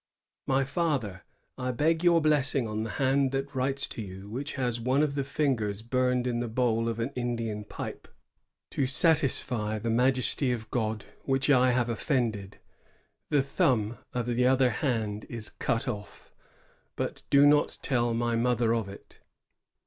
My Father, I beg your blessing on the hand that writes to you, which has one of the fingers burned in the bowl of an Indian pipe, to satisfy the Majesty of God which I hare offended. The thumb of the other hand is cut off ^ but do not tell my mother of it.